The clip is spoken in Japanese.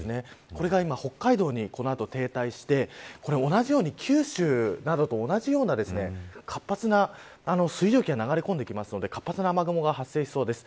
これが北海道に停滞して同じように、九州などと同じような活発な水蒸気が流れ込んでくるので活発な雨雲が発生しそうです。